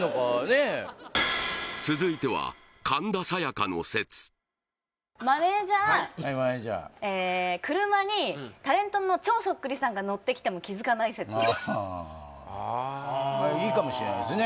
え続いてはマネージャー車にタレントの超そっくりさんが乗ってきても気付かない説あああいいかもしれないですね